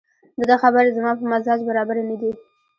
دده خبرې زما په مزاج برابرې نه دي